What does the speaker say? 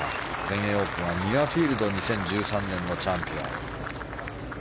全英オープンはミュアフィールド２０１３年のチャンピオン。